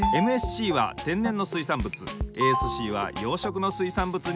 ＭＳＣは天然の水産物ＡＳＣは養殖の水産物についてます。